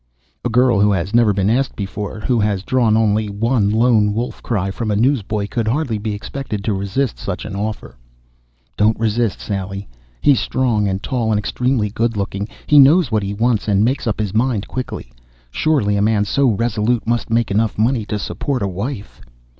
A girl who has never been asked before, who has drawn only one lone wolf cry from a newsboy could hardly be expected to resist such an offer. _Don't resist, Sally. He's strong and tall and extremely good looking. He knows what he wants and makes up his mind quickly. Surely a man so resolute must make enough money to support a wife.